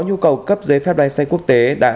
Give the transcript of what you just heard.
nhu cầu cấp giấy phép lái xe quốc tế đã